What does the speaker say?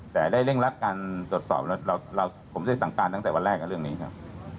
แต่ได้เร่งรัดการตรวจสอบแล้วผมได้สั่งการตั้งแต่วันแรกกับเรื่องนี้ครับ